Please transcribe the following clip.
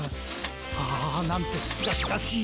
ああなんてすがすがしい。